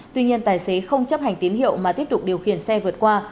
tuy nhiên tài xế không chấp hành tín hiệu mà tiếp tục điều khiển xe vượt qua